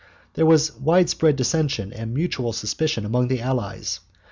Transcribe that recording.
There were widespread dissension and mutual suspicion among the allies.